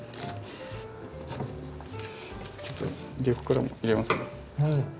ちょっと逆からも入れますね。